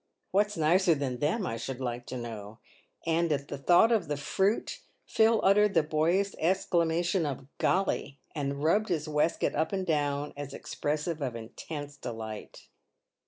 What's nicer than them I should like to know?" And at the thoughts of the fruit Phil uttered the boyish exclamation of " Golly !" and rubbed his waistcoat up and down as expressive of intense delight.